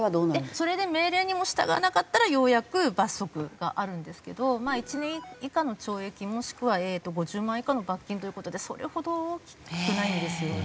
それで命令にも従わなかったらようやく罰則があるんですけどまあ１年以下の懲役もしくは５０万円以下の罰金という事でそれほど大きくないんですよね。